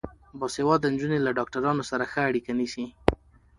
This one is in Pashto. باسواده نجونې له ډاکټرانو سره ښه اړیکه نیسي.